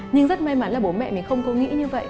nhưng rất may mắn là bố mẹ mình không có nghĩ như vậy